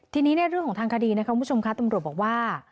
ทีนี้เรื่องของทางคดีคุณผู้ชมครับตำรวจบอกว่า